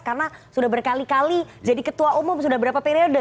karena sudah berkali kali jadi ketua umum sudah berapa periode